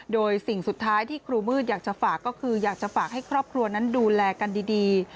โดยสิ่งสุดท้ายที่ครูมืดอยากจะฝากก็คืออยากจะฝากให้ครอบครัวนั้นดูแลกันดี